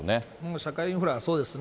社会インフラ、そうですね。